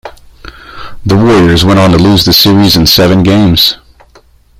The Warriors went on to lose the series in seven games.